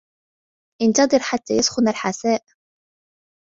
انتظر حتى يسخن الحساء.